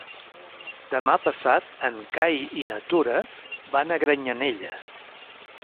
Demà passat en Cai i na Tura van a Granyanella.